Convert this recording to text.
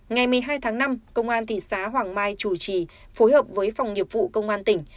ngày một mươi hai tháng năm công an thị xã hoàng mai chủ trì phối hợp với phòng nghiệp vụ công an tỉnh